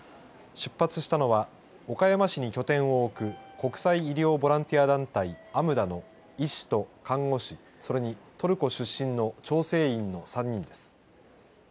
出発したのは岡山市に拠点を置く国際医療ボランティア団体ＡＭＤＡの医師と看護師それにトルコ出身の調整員の３人です。